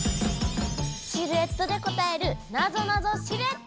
シルエットで答えるなぞなぞシルエット！